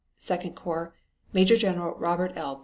Second corps Major General Robert L.